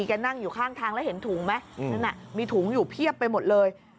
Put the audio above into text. แกนั่งอยู่ข้างทางแล้วเห็นถุงไหมนั่นน่ะมีถุงอยู่เพียบไปหมดเลย